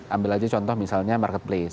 ambil aja contoh misalnya marketplace